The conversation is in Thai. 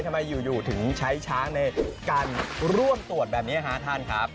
ทำไมอยู่ถึงใช้ช้างในการร่วมตรวจแบบนี้ฮะท่านครับ